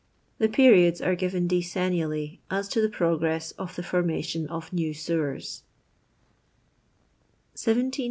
The periods are given decennially as to the progress of the formation of n%w sewers ;— Feet.